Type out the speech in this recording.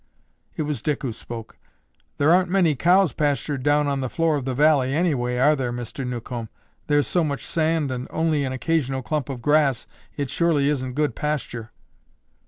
It was Dick who spoke. "There aren't many cows pastured down on the floor of the valley, anyway, are there, Mr. Newcomb? There's so much sand and only an occasional clump of grass, it surely isn't good pasture."